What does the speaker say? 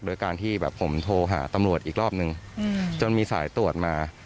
โดยการที่แบบผมโทรหาตำรวจอีกรอบนึงจนมีสายตรวจมา